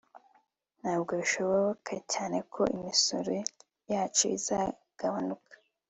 Ntabwo bishoboka cyane ko imisoro yacu izagabanuka